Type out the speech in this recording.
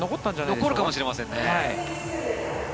残るかもしれませんね。